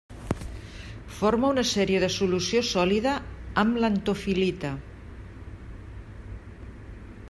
Forma una sèrie de solució sòlida amb l'antofil·lita.